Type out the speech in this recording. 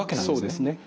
そうですね。